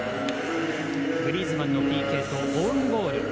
グリーズマンのＰＫとオウンゴール。